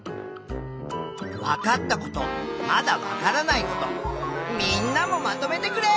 わかったことまだわからないことみんなもまとめてくれ！